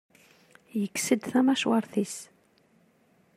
Yekkes-d tamacwart-is.